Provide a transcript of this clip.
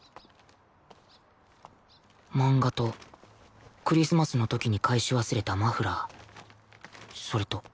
漫画とクリスマスの時に返し忘れたマフラーそれと